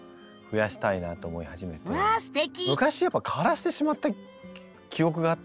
昔やっぱ枯らしてしまった記憶があったので。